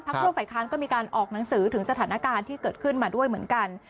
ร่วมฝ่ายค้านก็มีการออกหนังสือถึงสถานการณ์ที่เกิดขึ้นมาด้วยเหมือนกัน